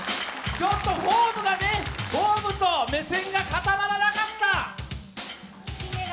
ちょっとフォームと目線が固まらなかった。